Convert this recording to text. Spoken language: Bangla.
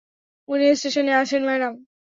উনি স্টেশনে আছেন ম্যাডাম।